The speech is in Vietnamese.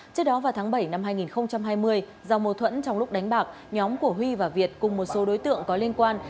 trước đó vào tháng bảy năm hai nghìn hai mươi do mâu thuẫn trong lúc đánh bạc nhóm của huy và việt cùng một số đối tượng có liên quan